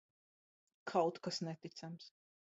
Kaut kas neticams.